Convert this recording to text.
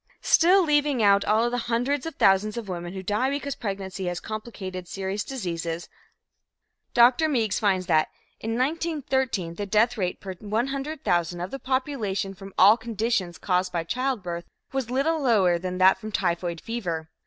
Still, leaving out all the hundreds of thousands of women who die because pregnancy has complicated serious diseases, Dr. Meigs finds that "in 1913, the death rate per 100,000 of the population from all conditions caused by childbirth was little lower than that from typhoid fever.